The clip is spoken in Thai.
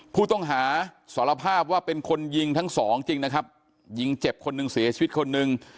ผู้ต้องหาสารภาพว่าเป็นคนยิงทั้งสองจริงนะครับยิงเจ็บคนหนึ่งเสียชีวิตคนหนึ่ง